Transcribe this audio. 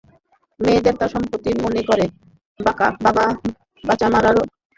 মেয়েকে তার সম্পত্তি মনে করে, বাঁচা-মরার অধিকার বাপের হাতে বলে গণ্য করে।